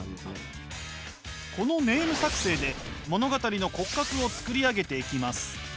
このネーム作成で物語の骨格を作り上げていきます。